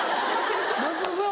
「松田さん